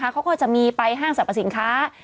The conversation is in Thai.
เขาก็จะมีไปห้างสรรพสินค้า